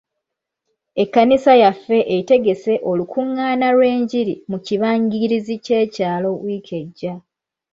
Ekkanisa yaffe etegese olukungaana lw'engiri mu kibangirizi ky'ekyalo wiiki ejja.